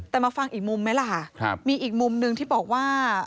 แต่มาฟังอีกมุมไหมล่ะมีอีกมุมหนึ่งที่บอกว่า